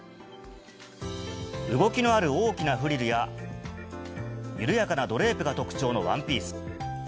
動きのある大きなフリルや、緩やかなドレープが特徴のワンピース。